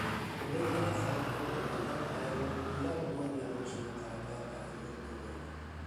Урындағы халыҡты урмандан айырыу унда урман яҙмышына ҡарата ғафиллыҡ тыуҙырҙы.